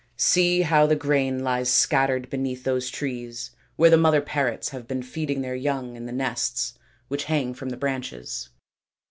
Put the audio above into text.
See how the grain lies scattered beneath those trees where the mother parrots have been feeding their young in the nests which hang from the branches.